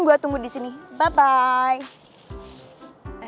gue tunggu disini bye bye